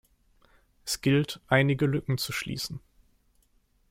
Es gilt, einige Lücken zu schließen.